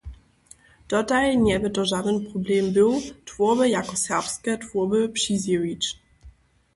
Dotal njebě to žadyn problem był, twórby jako serbske twórby přizjewić.